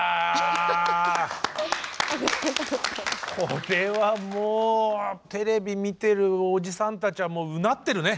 これはもうテレビ見てるおじさんたちはもううなってるね。